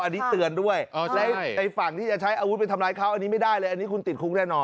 อันนี้เตือนด้วยแล้วไอ้ฝั่งที่จะใช้อาวุธไปทำร้ายเขาอันนี้ไม่ได้เลยอันนี้คุณติดคุกแน่นอน